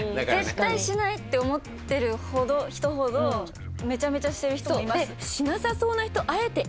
絶対しないって思ってる人ほどめちゃめちゃしてる人もいます。